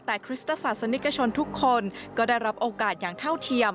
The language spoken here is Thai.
แต่คริสตศาสนิกชนทุกคนก็ได้รับโอกาสอย่างเท่าเทียม